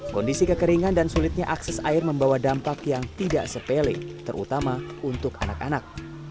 kondisi kekeringan dan sulitnya akses air membawa dampak yang tidak sepele terutama untuk anak anak